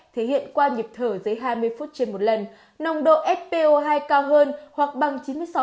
thể hiện qua nhịp thở dưới hai mươi phút trên một lần nồng độ s po hai cao hơn hoặc bằng chín mươi sáu